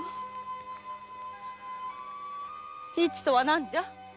「いち」とは何じゃ？